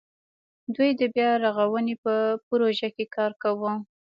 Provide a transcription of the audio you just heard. دوی د بیا رغاونې په پروژه کې کار کاوه.